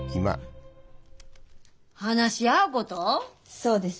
そうです。